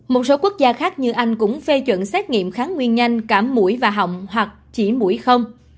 một số quốc gia khác như anh cũng phê chuẩn xét nghiệm kháng nguyên nhanh cả mũi và họng hoặc chỉ mũi không